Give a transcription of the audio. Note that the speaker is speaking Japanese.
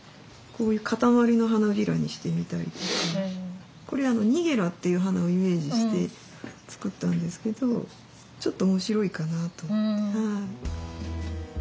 こういう片割りの花びらにしてみたりとかこれはニゲラっていう花をイメージして作ったんですけどちょっと面白いかなと思って。